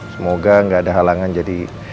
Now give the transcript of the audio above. semoga gak ada halangan jadi